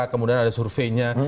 kemudian ada surveinya